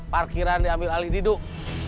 parkiran diambil alih diduk